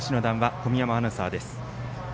小宮山アナウンサーです。